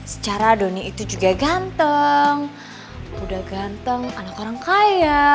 secara doni itu juga ganteng kuda ganteng anak orang kaya